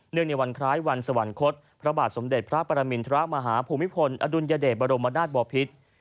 ในวันคล้ายวันสวรรคตพระบาทสมเด็จพระปรมินทรมาฮภูมิพลอดุลยเดชบรมนาศบอพิษ